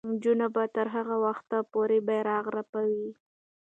نجونې به تر هغه وخته پورې بیرغ رپوي.